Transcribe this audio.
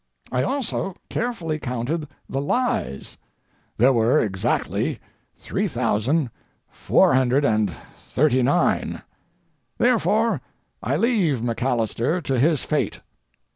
I also carefully counted the lies—there were exactly three thousand four hundred and thirty nine. Therefore, I leave MacAlister to his fate.